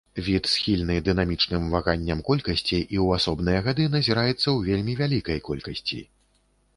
Від схільны дынамічным ваганняў колькасці і ў асобныя гады назіраецца ў вельмі вялікай колькасці.